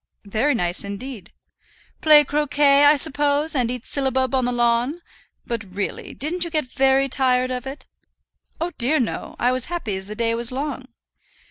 "Very nice indeed." "Play croquet, I suppose, and eat syllabub on the lawn? But, really, didn't you get very tired of it?" "Oh dear, no. I was happy as the day was long."